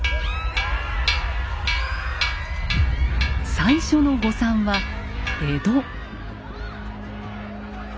最初の誤算は江戸。